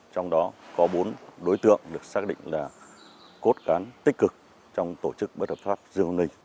trong đó có bốn đối tượng được xác định là cốt cán tích cực trong tổ chức bất hợp pháp dương ninh